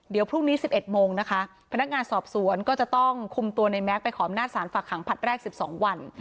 เดี๋ยวพรุ่งนี้สิบเอ็ดโมงนะคะพนักงานสอบสวนก็จะต้องคุมตัวในแม็กบังค์ไปขอบหน้าสารฝากหังผัดแรกสิบสองวัน